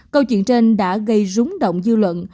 câu chuyện trên đã gây rúng động dư luận